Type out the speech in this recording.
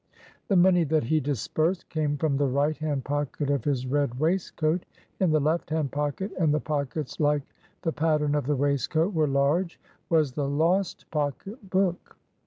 The money that he disbursed came from the right hand pocket of his red waistcoat. In the left hand pocket (and the pockets, like the pattern of the waistcoat, were large) was the lost pocket book.